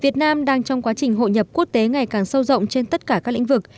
việt nam đang trong quá trình hội nhập quốc tế ngày càng sâu rộng trên tất cả các lĩnh vực